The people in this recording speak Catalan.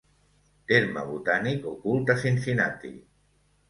Terme botànic ocult a Cincinnati.